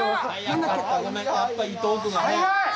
やっぱ伊藤君が早い。